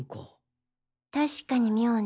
確かに妙ね。